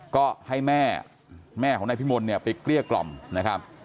ก็ให้แม่แม่ของนายพิมลเนี่ยไปเกลี้ยกล่อมนะครับ